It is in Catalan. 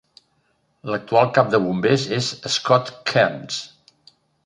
L'actual cap de bombers és Scott Cairns.